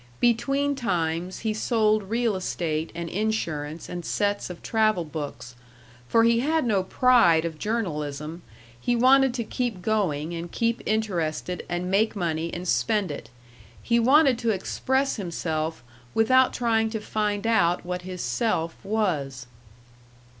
Between times he sold real estate and insurance and sets of travel books, for he had no pride of journalism; he wanted to keep going and keep interested and make money and spend it; he wanted to express himself without trying to find out what his self was.